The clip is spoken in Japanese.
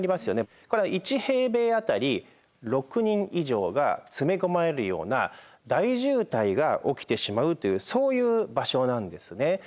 これは１平米あたり６人以上が詰め込まれるような大渋滞が起きてしまうというそういう場所なんですね。